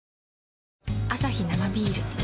アサヒ生ビール